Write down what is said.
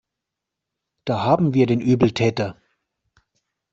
Da haben wir den Übeltäter.